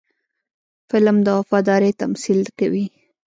فلم د وفادارۍ تمثیل کوي